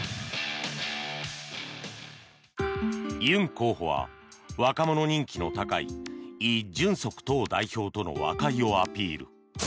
ユン候補は若者人気の高いイ・ジュンソク党代表との和解をアピール。